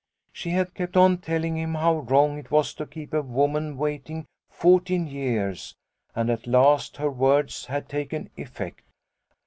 She had kept on telling him how wrong it was to keep a woman waiting fourteen years, and at last her words had taken effect.